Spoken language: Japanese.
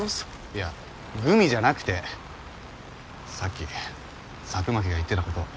いやグミじゃなくてさっき佐久巻が言ってたこと。